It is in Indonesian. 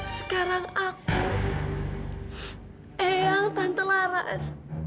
sekarang aku eyang tante laras